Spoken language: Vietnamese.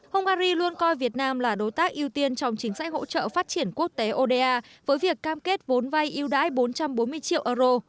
hungary luôn coi việt nam là đối tác ưu tiên trong chính sách hỗ trợ phát triển quốc tế oda với việc cam kết vốn vay ưu đãi bốn trăm bốn mươi triệu euro